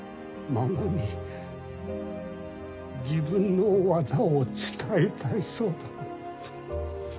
孫に自分の技を伝えたいそうだ。